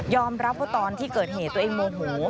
รับว่าตอนที่เกิดเหตุตัวเองโมโห